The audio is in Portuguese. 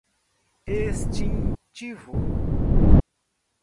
extintivo